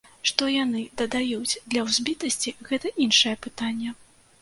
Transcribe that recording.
Што яны дадаюць, для узбітасці, гэта іншае пытанне.